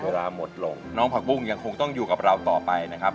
เวลาหมดลงน้องผักบุ้งยังคงต้องอยู่กับเราต่อไปนะครับ